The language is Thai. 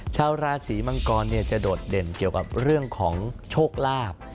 ชาวราศีมังกรจะโดดเด่นเกี่ยวกับเรื่องของโชคลาภ